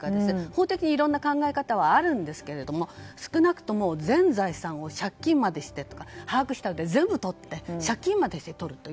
法的にいろんな考え方はあるんですけど少なくとも全財産を借金までしてとか全部取って、借金までして取ると。